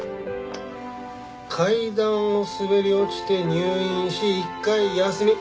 「階段をすべり落ちて入院し１回休み」